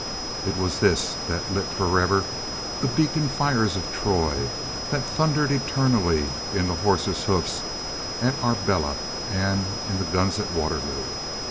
It was this that lit forever the beacon fires of Troy, that thundered eternally in the horses' hoofs at Arbela and in the guns at Waterloo.